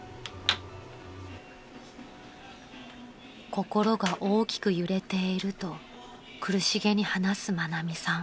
［心が大きく揺れていると苦しげに話す愛美さん］